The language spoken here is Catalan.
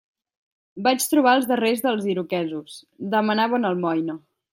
Vaig trobar els darrers dels iroquesos: demanaven almoina.